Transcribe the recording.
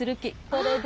これで。